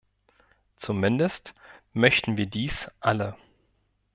Zumindest möchten wir dies alle.